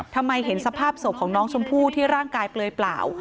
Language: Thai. เห็นสภาพศพของน้องชมพู่ที่ร่างกายเปลือยเปล่า